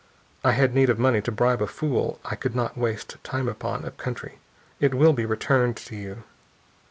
I had need of money to bribe a fool I could not waste time on, up country. It will be returned to you."